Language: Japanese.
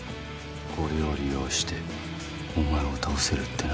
これを利用してお前を倒せるってな。